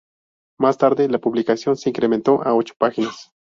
Más tarde, la publicación se incrementó a ocho páginas.